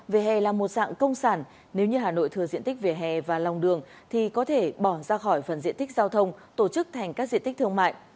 về hè là một dạng công sản nếu như hà nội thừa diện tích vỉa hè và lòng đường thì có thể bỏ ra khỏi phần diện tích giao thông tổ chức thành các diện tích thương mại